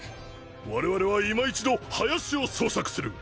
我々はいま一度林を捜索する。